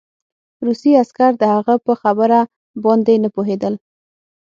روسي عسکر د هغه په خبره باندې نه پوهېدل